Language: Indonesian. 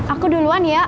aku duluan ya